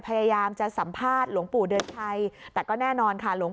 พยายามจะสัมภาษณ์หลวงปู่เดือนชัยแต่ก็แน่นอนค่ะหลวง